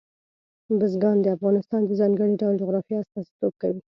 بزګان د افغانستان د ځانګړي ډول جغرافیه استازیتوب کوي.